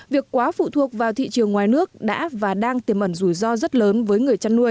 việc quá phụ thuộc vào thị trường ngoài nước đã và đang tiềm ẩn rủi ro rất lớn